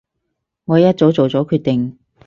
我一早做咗決定